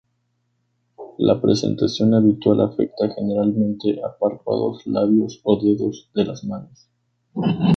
La presentación habitual afecta generalmente a párpados, labios o dedos de las manos.